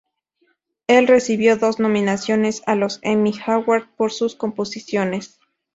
Él recibió dos nominaciones a los Emmy Award por sus composiciones.